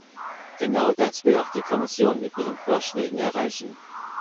Genau das will auch die Kommission mit ihren Vorschlägen erreichen.